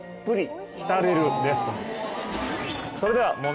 それでは。